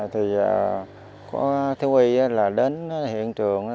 thì có thu y là đến hiện trường